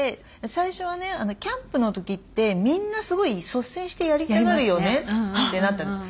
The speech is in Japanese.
最初はね「キャンプの時ってみんなすごい率先してやりたがるよね」ってなったんです。